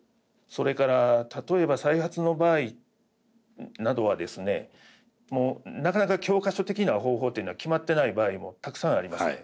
それから例えば再発の場合などはですねなかなか教科書的な方法っていうのは決まってない場合もたくさんあります。